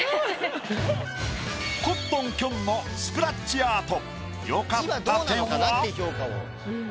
コットンきょんのスクラッチアート。